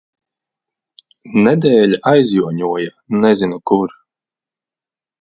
Nedēļa aizjoņoja nezinu, kur.